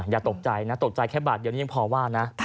อย่าตกใจนะตกใจแค่บาทเดียวนี้ยังพอว่านะ